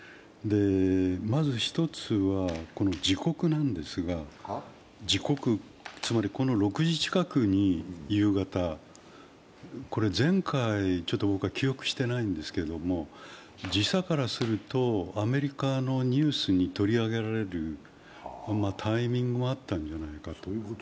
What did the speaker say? まず１つは時刻なんですがつまり夕方６時近くに、前回、ちょっと僕は記憶してないんですけれども、時差からするとアメリカのニュースに取り上げられるタイミングもあったんじゃないかと。